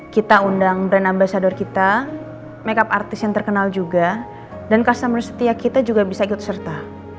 kita undang brand ambasador kita makeup artis yang terkenal juga dan customer setia kita juga bisa ikut serta